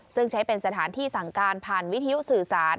ซึ่งใช้เป็นสถานที่สั่งการผ่านวิทยุสื่อสาร